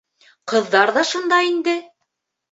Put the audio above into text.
— Ҡыҙҙар ҙа шунда инде.